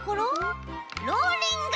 ローリング！